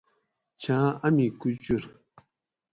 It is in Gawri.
چھاں امی کوچور